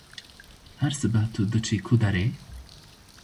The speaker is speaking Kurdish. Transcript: Her sibeh tu diçî ku derê?